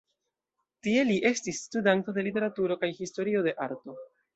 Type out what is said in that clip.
Tie li estis studanto de literaturo kaj historio de arto.